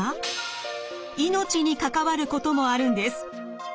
命に関わることもあるんです。